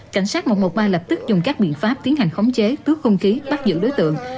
cảnh sát một trăm một mươi ba lập tức dùng các biện pháp tiến hành khống chế cướp không khí bắt giữ đối tượng